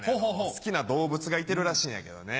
好きな動物がいてるらしいんやけどね。